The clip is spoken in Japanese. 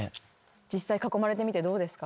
実際囲まれてみてどうですか？